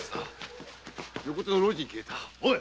横の路地に消えた。